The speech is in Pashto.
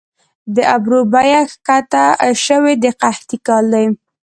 د ابرو بیه کښته شوې د قحطۍ کال دي